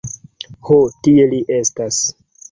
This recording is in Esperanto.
Ho tie li estas.